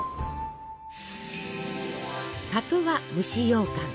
「里」は蒸しようかん。